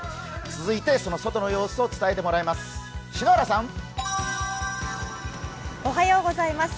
続いて、その外の様子を伝えてもらいます。